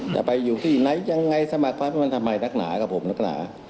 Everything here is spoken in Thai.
จะไปอยู่ที่ไหนยังไงสมัครพักมันทำไมนักหนากับผมนักหนา